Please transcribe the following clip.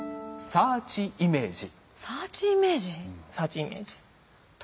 サーチイメージ。